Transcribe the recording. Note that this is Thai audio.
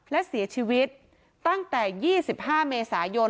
และเสียชีวิตตั้งแต่๒๕เมษายน